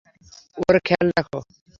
ওর খেয়াল রাখো।